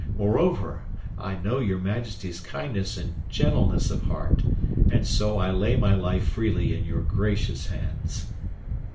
Moreover, I know Your Majesty's kindness and gentleness of heart, and so I lay my life freely in your gracious hands."